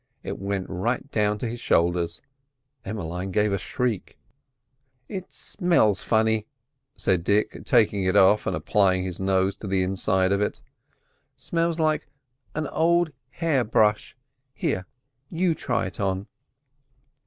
It went right down to his shoulders. Emmeline gave a shriek. "It smells funny," said Dick, taking it off and applying his nose to the inside of it—"smells like an old hair brush. Here, you try it on."